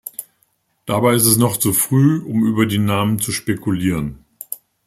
Dabei ist es noch zu früh, um über die Namen zu spekulieren.